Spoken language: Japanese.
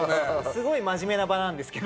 すごい真面目な場なんですけど。